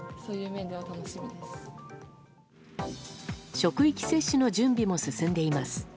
職域接種の準備も進んでいます。